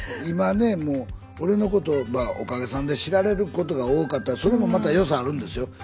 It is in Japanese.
今ねもう俺のことまあおかげさんで知られることが多かったそれもまた良さあるんですよ。